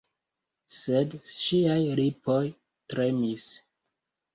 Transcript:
Sed ŝiaj lipoj tremis.